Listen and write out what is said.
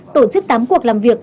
tổ chức tám cuộc làm việc